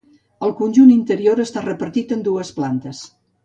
El conjunt interior està repartit en dues plantes.